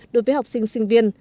đối với học sinh sinh viên